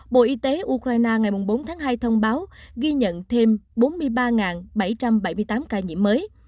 bộ y tế ukraine ngày bốn tháng hai thông báo ghi nhận thêm bốn mươi ba bảy trăm bảy mươi tám ca nhiễm mới